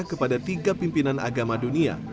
kepada tiga pimpinan agama dunia